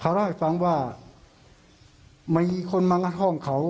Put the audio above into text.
เขาเล่าให้ฟังว่ามีคนมางัดห้องเขา